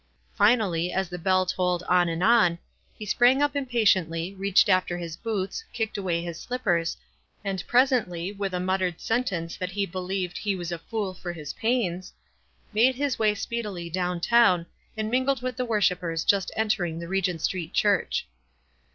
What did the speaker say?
Finally, as the bell tolled on and on, he sprang up impatiently, reached after his boots, kicked away his slippers, and presently, with a muttered sentence that he believed " he was a fool for his pains," made his way speedily down town, and mingled with the worshipers just entering the Regent Street Church.